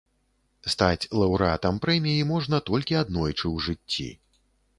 Стаць лаўрэатам прэміі можна толькі аднойчы ў жыцці.